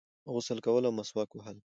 غسل کول او مسواک وهل